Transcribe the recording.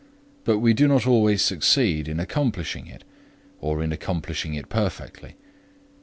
But we do not always succeed in accomplishing it, or in accomplishing it perfectly.